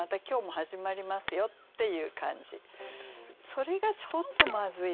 それがちょっとまずいですね。